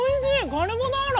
カルボナーラ！